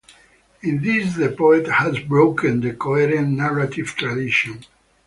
In this the poet has broken the coherent narrative tradition.